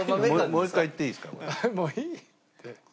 もういいって。